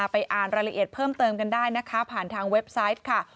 ไปอ่านรายละเอียดเพิ่มเติมกันได้นะคะผ่านทางเว็บไซต์ค่ะ